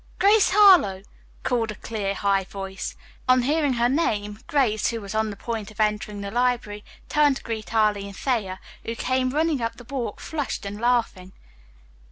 Grace Harlowe!" called a clear, high voice. On hearing her name, Grace, who was on the point of entering the library, turned to greet Arline Thayer, who came running up the walk, flushed and laughing.